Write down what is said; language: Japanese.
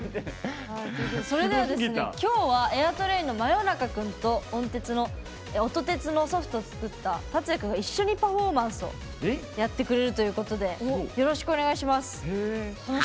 それではきょうはエアトレインのｍａｙｏｎａｋａ君と音鉄のソフトを作ったたつや君が一緒にパフォーマンスをやってくれるということでよろしくお願いします。